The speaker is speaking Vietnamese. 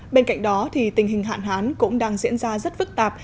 bên cạnh đó tình hình hạn hán cũng đang diễn ra rất phức tạp